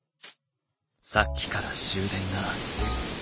さっきから終電が。